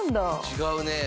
違うね。